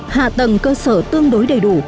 hạ tầng cơ sở tương đối đầy đủ